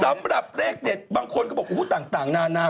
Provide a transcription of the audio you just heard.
สำหรับเลขเด็ดบางคนก็บอกต่างนานา